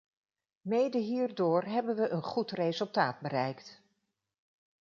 Mede hierdoor hebben we een goed resultaat bereikt.